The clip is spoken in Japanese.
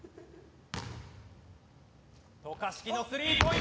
渡嘉敷のスリーポイント。